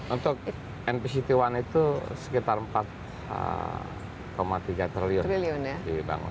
untuk npct one itu sekitar empat tiga triliun